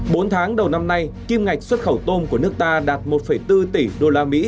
bốn tháng đầu năm nay kim ngạch xuất khẩu tôm của nước ta đạt một bốn tỷ usd